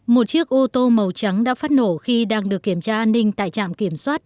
một chiếc ô tô màu trắng đã phát nổ khi đang được kiểm tra an ninh tại trạm kiểm soát